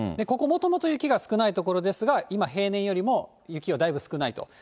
ここ、もともと雪が少ない所ですが、今、平年よりも雪がだいぶ少ないと。